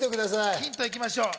ヒント行きましょう。